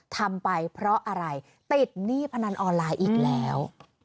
ทำไปเพราะอะไรติดหนี้พนันออนไลน์อีกแล้ว